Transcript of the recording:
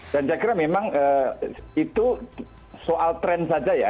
dan saya kira memang itu soal trend saja ya